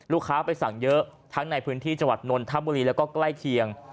ไปสั่งเยอะทั้งในพื้นที่จังหวัดนนทบุรีแล้วก็ใกล้เคียง